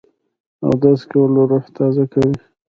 اودس کول روح تازه کوي